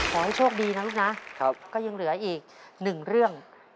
ขอให้โชคดีนะลูกนะก็ยังเหลืออีกหนึ่งเรื่อง